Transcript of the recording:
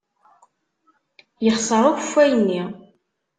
Yexṣer ukeffay-nni.